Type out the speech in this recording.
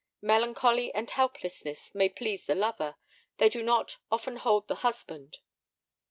Melancholy and helplessness may please the lover; they do not often hold the husband.